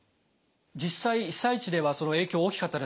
実際被災地ではその影響は大きかったですか？